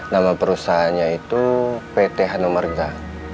nama perusahaannya itu pt hanomerga